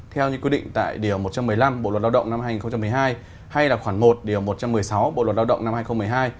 theo như quy định tại điều một trăm một mươi năm bộ luật lao động năm hai nghìn một mươi hai hay là khoảng một điều một trăm một mươi sáu bộ luật lao động năm hai nghìn một mươi hai